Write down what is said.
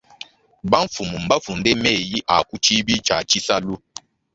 Bamfumu mbafunde meyi a ku tshibi tshia tshisalu.